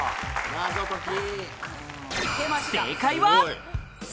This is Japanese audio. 謎解き！